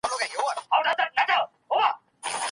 خراسان کي د اوسني افغانستان ټوله جغرافیه نه ده شامله، بلکي